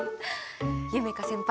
夢叶先輩